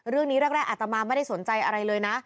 เรื่องนี้แรกอาตมาไม่ได้สนใจอะไรเลยนะ